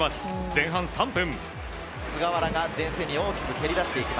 前半３分。